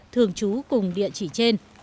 thường trú cùng địa chỉ trên